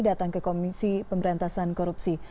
datang ke komisi pemberantasan korupsi